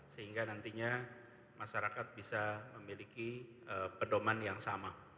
sehingga nantinya masyarakat bisa memiliki pedoman yang sama